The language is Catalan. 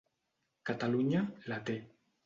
Catalunya la té.